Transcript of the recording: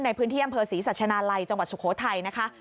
ในพื้นที่อำเภอศรีสัชนาลัยจังหวัดสุโขทัยนะคะ